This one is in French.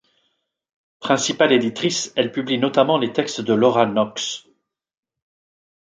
Principale éditrice, elle publie notamment les textes de Laura Knox.